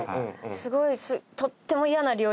すごい。